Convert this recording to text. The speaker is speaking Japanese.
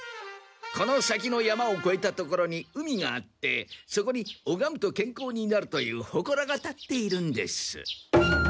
この先の山をこえた所に海があってそこに拝むと健康になるというほこらが立っているんです。